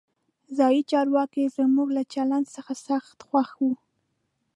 ځایي چارواکي زموږ له چلند څخه سخت خوښ وو.